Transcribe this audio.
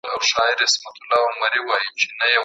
د جګړې بریا افغانانو ته پاتې شوه.